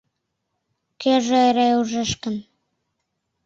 Кӧжӧ эре ужеш гын